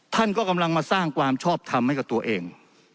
ท่านก็กำลังมาสร้างความชอบทำให้กับตัวเอง